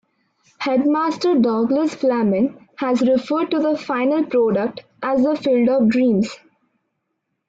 Headmaster Douglas Fleming has referred to the final product as the Field of Dreams.